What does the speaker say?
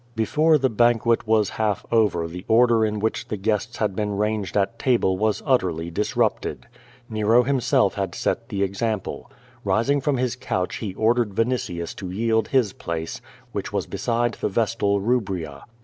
Before the banquet was half over the order in which th«i guests had been ranged at table was utterly disrupted. Nero himself had set the example. Rising from his couch he ordered Vinitius to yield his place, which was beside the vestal Rubria.